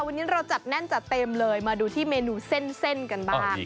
วันนี้เราจัดแน่นจัดเต็มเลยมาดูที่เมนูเส้นกันบ้าง